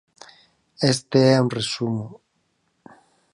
Este é un resumo.